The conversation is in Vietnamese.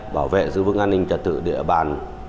bảo vệ giữ vững an ninh trật tự địa bàn